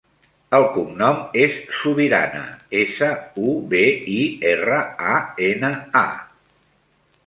El cognom és Subirana: essa, u, be, i, erra, a, ena, a.